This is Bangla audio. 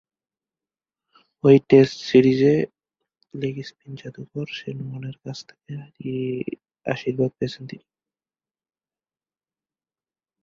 ঐ টেস্ট সিরিজে লেগ স্পিন যাদুকর শেন ওয়ার্নের কাছ থেকে আশীর্বাদ পেয়েছেন তিনি।